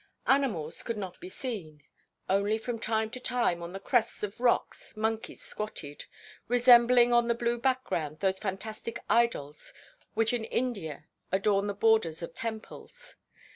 Animals could not be seen; only from time to time on the crests of rocks monkeys squatted, resembling on the blue background those fantastic idols which in India adorn the borders of temples.